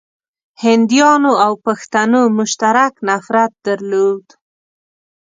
هنديانو او پښتنو مشترک نفرت درلود.